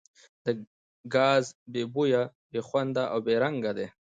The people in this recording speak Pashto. دا ګاز بې بویه، بې خونده او بې رنګه دی.